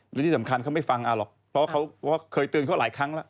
และที่สำคัญเขาไม่ฟังหรอกเพราะเขาเคยเตือนเขาหลายครั้งแล้ว